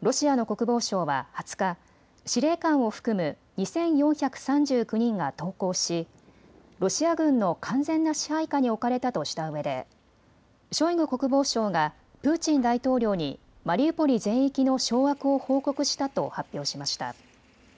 ロシアの国防省は２０日、司令官を含む２４３９人が投降しロシア軍の完全な支配下に置かれたとしたうえでショイグ国防相がプーチン大統領にマリウポリ全域の掌握を報告したと発表しました。